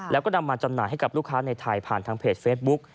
แล้วก็นำมาจำหน่ายให้กับลูกค้าในไทยผ่านทางเพจเฟซบุ๊ก